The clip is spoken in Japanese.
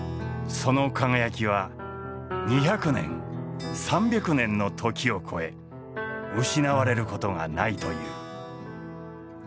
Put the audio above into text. その輝きは２００年３００年の時を超え失われることがないという。